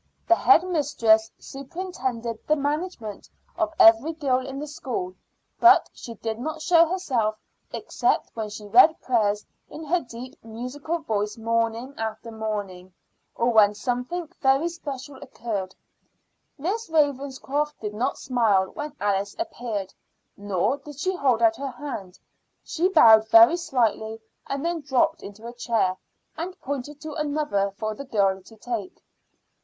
The head mistress superintended the management of every girl in the school, but she did not show herself except when she read prayers in her deep musical voice morning after morning, or when something very special occurred. Miss Ravenscroft did not smile when Alice appeared, nor did she hold out her hand. She bowed very slightly and then dropped into a chair, and pointed to another for the girl to take.